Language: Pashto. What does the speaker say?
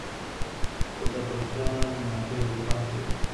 خو د خوشال نارې به پاته وي